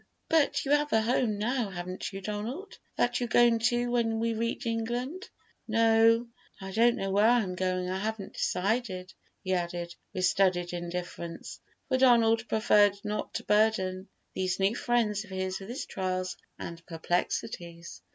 "But you have a home now, haven't you, Donald, that you're going to when we reach England?" "No; I don't know where I'm going; I haven't decided," he added, with studied indifference; for Donald preferred not to burden these new friends of his with his trials and perplexities.